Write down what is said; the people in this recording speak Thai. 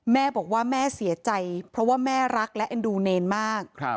แม่บอกว่าแม่เสียใจเพราะว่าแม่รักและเอ็นดูเนรมาก